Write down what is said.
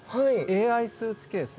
ＡＩスーツケース？